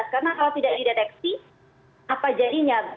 karena kalau tidak dideteksi apa jadinya